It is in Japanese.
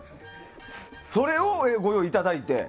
それをご用意いただいて。